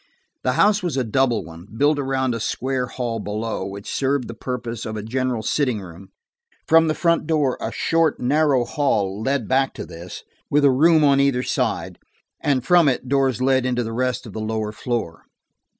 The house was a double one, built around a square hall below, which served the purpose of a general sitting room. From the front door a short, narrow hall led back to this, with a room on either side, and from it doors led into the rest of the lower floor.